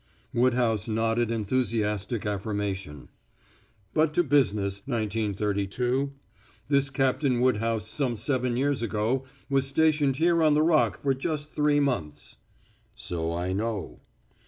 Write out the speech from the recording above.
Woodhouse nodded enthusiastic affirmation. "But to business, Nineteen Thirty two. This Captain Woodhouse some seven years ago was stationed here on the Rock for just three months." "So I know."